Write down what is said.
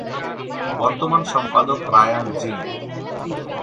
বর্তমান সম্পাদক Ryan zinc.